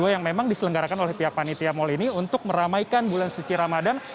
yang memang diselenggarakan oleh pihak panitia mal ini untuk meramaikan bulan suci ramadan